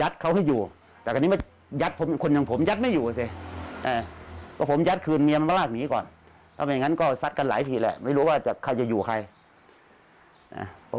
ถ้าไม่อย่างนั้นก็ซัดกันหลายทีแหละไม่รู้ว่าเขาจะอยู่ใคร